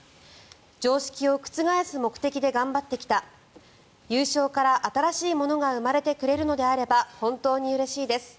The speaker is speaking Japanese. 常識を覆す目的で頑張ってきた優勝から新しいものが生まれてくれるのであれば本当にうれしいです